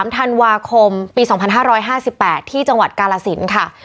๓ธันวาคมปี๒๕๕๘ที่จังหวัดกาลสินค่ะ